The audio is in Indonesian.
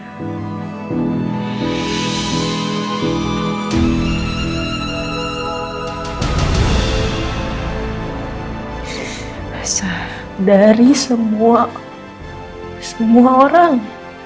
masa dari semua semua orang